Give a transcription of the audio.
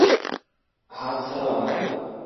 হাত ছাড়ো আমার।